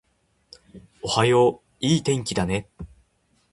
おはよう、いい天気だね